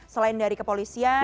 selain dari kepolisian